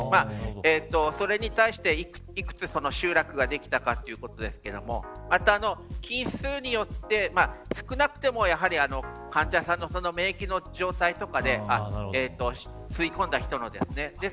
それに対して、幾つ集落ができたかということですがまた、菌の数によって少なくとも患者さんの免疫の状態とかで吸い込んだ人のですね。